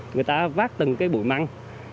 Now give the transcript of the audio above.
người ta vác từng cái bụi măng